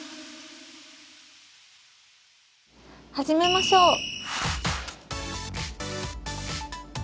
始めましょう！